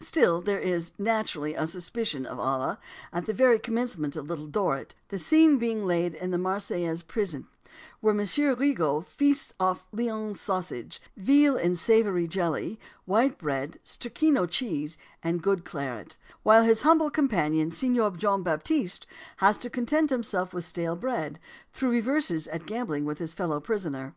Still there is, naturally, a suspicion of Ala at the very commencement of Little Dorrit, the scene being laid in the Marseilles prison, where Monsieur Rigaud feasts off Lyons sausage, veal in savoury jelly, white bread, strachino cheese, and good claret, the while his humble companion, Signor John Baptist, has to content himself with stale bread, through reverses at gambling with his fellow prisoner.